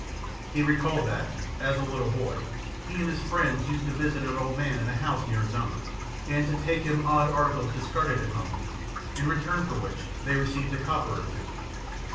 He recalled that, as a little boy, he and his friends used to visit an old man in a house near his own, and to take him odd articles discarded at home, in return for which they received a copper or two.